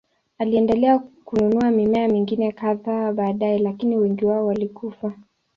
Aliendelea kununua mimea mingine kadhaa baadaye, lakini wengi wao walikufa.